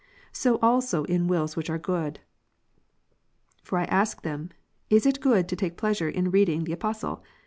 So also in wills which are good. For I ask them, is it good to take pleasure in reading the Apostle"